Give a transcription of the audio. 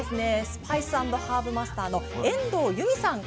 スパイス＆ハーブマスターの遠藤由美さん